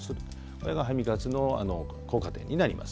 これがハミ活のあの効果になります。